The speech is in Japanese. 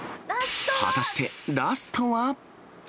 果たしてラストは。